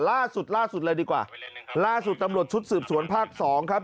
ล่าสุดล่าสุดเลยดีกว่าล่าสุดตำรวจชุดสืบสวนภาคสองครับ